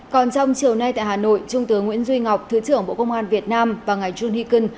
còn trong chiều nay tại hà nội trung tướng nguyễn duy ngọc thứ trưởng bộ công an việt nam và ngài junh huy cân